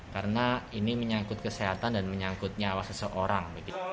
karena ini menyangkut kesehatan dan menyangkut nyawa seseorang